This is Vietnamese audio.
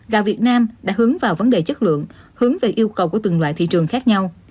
gạo việt nam đã hướng vào vấn đề chất lượng hướng về yêu cầu của từng loại thị trường khác nhau